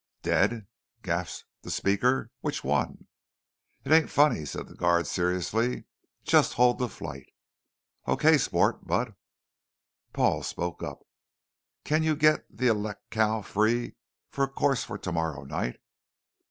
"Dead?" gasped the speaker. "Which one?" "It ain't funny," said the guard seriously. "Just hold the flight." "Okay, sport. But " Paul spoke up, "Can you get the Elecalc free for a course for tomorrow night?"